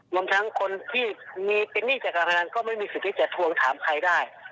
รวมทั้งคนที่มีเป็นหนี้จากการพนันก็ไม่มีสิทธิ์ที่จะทวงถามใครได้